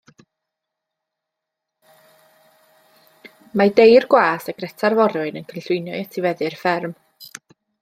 Mae Dei'r gwas a Greta'r forwyn yn cynllwynio i etifeddu'r fferm.